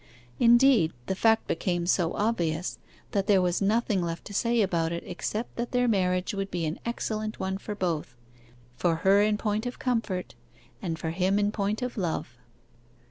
Indeed, the fact became so obvious that there was nothing left to say about it except that their marriage would be an excellent one for both; for her in point of comfort and for him in point of love.